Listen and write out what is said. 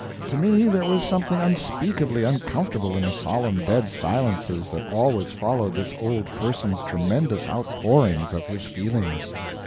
To me there was something unspeakably uncomfortable in the solemn dead silences that always followed this old person's tremendous outpourings of his feelings.